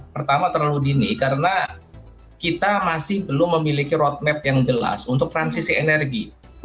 pertama terlalu dini karena kita masih belum memiliki roadmap yang jelas untuk transisi energi